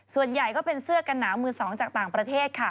ส่วนใหญ่ก็เป็นเสื้อกันหนาวมือสองจากต่างประเทศค่ะ